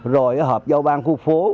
rồi họp giao ban khu phố